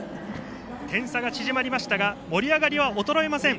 点差が縮まりましたが盛り上がりは衰えません。